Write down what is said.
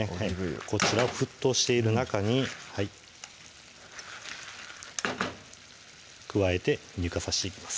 こちらを沸騰している中に加えて乳化さしていきます